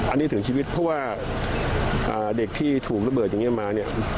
อันนี้ถึงชีวิตเพราะว่าเด็กที่ถูกระเบิดอย่างนี้มาเนี่ย